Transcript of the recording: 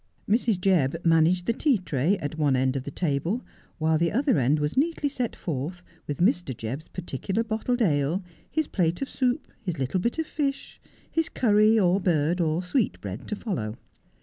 Mrs. Jebb managed the tea tray at one end of the table, while the other end was neatly set forth with Mr. Jebb's particular bottled ale, his plate of soup, his little bit of fish, his curry, or bird, or sweetbread to follow.